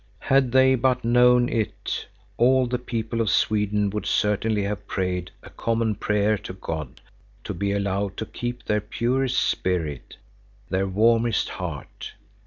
Had they but known it, all the people of Sweden would certainly have prayed a common prayer to God to be allowed to keep their purest spirit, their warmest heart.